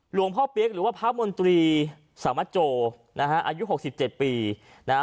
หลวงพ่อเปี๊ยกหรือว่าพระมนตรีสามัจโจนะฮะอายุหกสิบเจ็ดปีนะฮะ